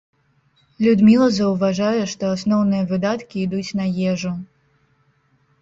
Людміла заўважае, што асноўныя выдаткі ідуць на ежу.